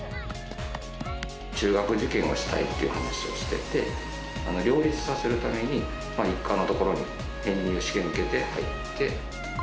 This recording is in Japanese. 中学受験をしたいって話をしてて、両立させるために、一貫のところに編入試験受けて入って。